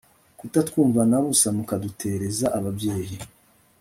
kutatwumva na busa mukadutereza ababyeyi